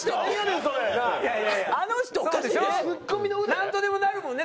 なんとでもなるもんね？